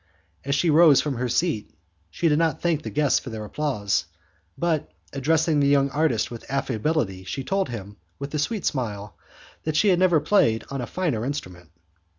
As she rose from her seat, she did not thank the guests for their applause, but, addressing the young artist with affability, she told him, with a sweet smile, that she had never played on a finer instrument.